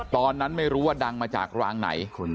ตอนนั้นไม่รู้ว่าดังมาจากรางไหน